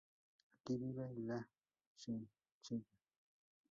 Aquí vive la chinchilla.